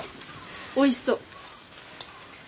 おいしそう。